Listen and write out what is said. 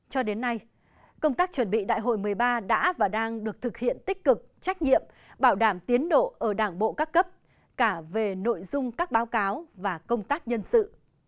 cho đến nay công tác chuẩn bị đại hội một mươi ba đã và đang được thực hiện tích cực trách nhiệm bảo đảm tiến độ ở đảng bộ các cấp cả về nội dung các báo cáo và công tác nhân sự